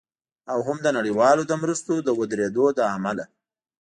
او هم د نړیوالو د مرستو د ودریدو له امله